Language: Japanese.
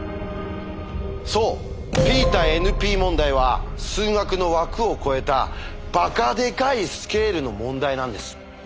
そうＰ対ＮＰ問題は数学の枠を超えたバカでかいスケールの問題なんです。